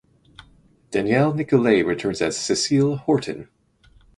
Danielle Nicolet returns as Cecile Horton.